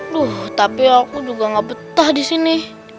duh tapi aku juga gak betah di sini